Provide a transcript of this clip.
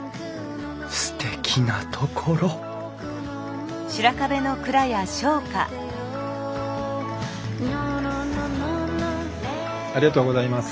すてきな所ありがとうございます。